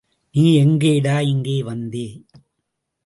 நீ எங்கேடா இங்கே வந்தே!